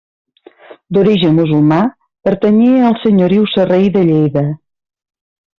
D'origen musulmà pertanyia al senyoriu sarraí de Lleida.